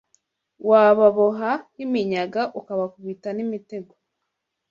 Wababoha nk'iminyaga Ubakubita n'imitego